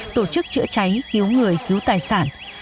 tổ chức chữa cháy cứu người cứu tài sản